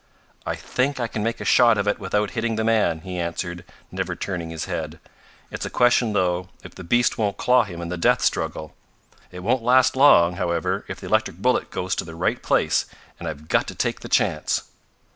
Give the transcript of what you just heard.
"I think I can make a shot of it without hitting the man," he answered, never turning his head. "It's a question, though, if the beast won't claw him in the death struggle. It won't last long, however, if the electric bullet goes to the right place, and I've got to take the chance."